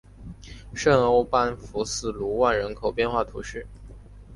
圣欧班福斯卢万人口变化图示